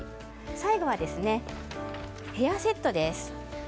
最後はヘアセットです。